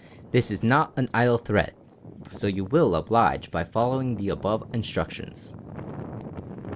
"This is not an idle threat, so you will oblige by following the above instructions."